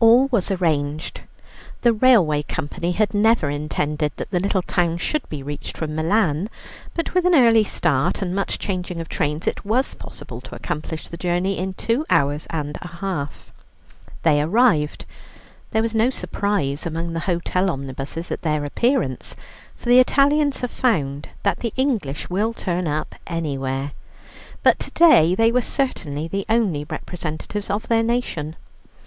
All was arranged. The railway company had never intended that the little town should be reached from Milan, but with an early start and much changing of trains it was possible to accomplish the journey in two hours and a half. They arrived. There was no surprise among the hotel omnibuses at their appearance, for the Italians have found that the English will turn up everywhere; but to day they were certainly the only representatives of their nation.